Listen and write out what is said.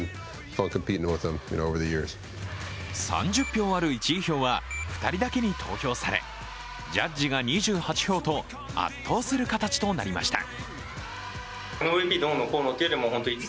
３０票ある１位票は２人だけに投票されジャッジが２８票と圧倒する形となりました。